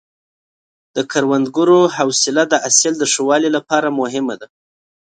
د کروندګر حوصله د حاصل د ښه والي لپاره مهمه ده.